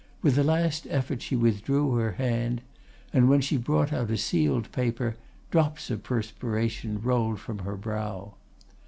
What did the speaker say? With a last effort she withdrew her hand; and when she brought out a sealed paper, drops of perspiration rolled from her brow.